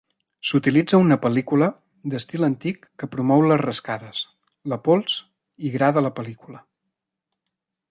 S'utilitza una pel·lícula d'estil antic que promou les rascades, la pols i gra de la pel·lícula.